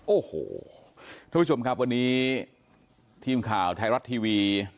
โอ้โหทุกผู้ชมครับวันนี้ทีมข่าวไทยรัฐทีวี